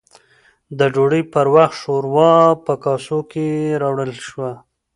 د ډوډۍ پر وخت، شورا په کاسو کې راوړل شوه